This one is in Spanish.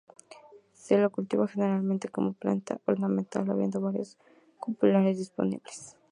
Se lo cultiva generalmente como planta ornamental, habiendo varios cultivares disponibles.